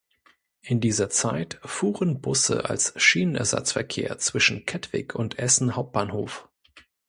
In dieser Zeit fuhren Busse als Schienenersatzverkehr zwischen Kettwig und Essen Hauptbahnhof.